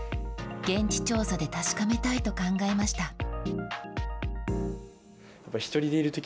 現地調査で確かめたいと考えました。